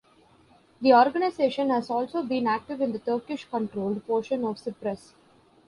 The organization has also been active in the Turkish-controlled portion of Cyprus.